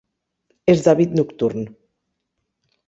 És d'hàbit nocturn.